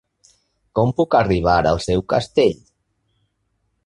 Com puc arribar al seu castell?